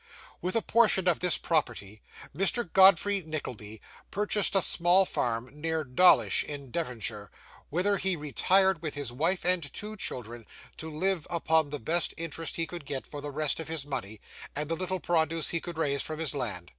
With a portion of this property Mr. Godfrey Nickleby purchased a small farm, near Dawlish in Devonshire, whither he retired with his wife and two children, to live upon the best interest he could get for the rest of his money, and the little produce he could raise from his land.